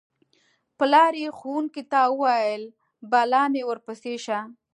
پلار یې ښوونکو ته وویل: بلا مې ورپسې شه.